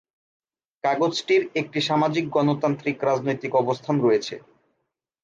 কাগজটির একটি সামাজিক গণতান্ত্রিক রাজনৈতিক অবস্থান রয়েছে।